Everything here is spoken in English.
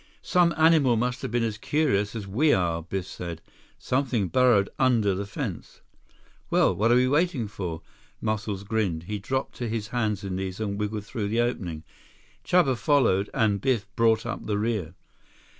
"Some animal must have been as curious as we are," Biff said. "Something burrowed under the fence." "Well, what are we waiting for?" Muscles grinned. He dropped to his hands and knees and wiggled through the opening. Chuba followed, and Biff brought up the rear.